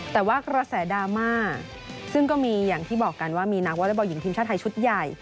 แต่ว่ากระแสดราม่าซึ่งก็มีอย่างที่บอกกันว่ามีนักวอเล็กบอลหญิงทีมชาติไทยชุดใหญ่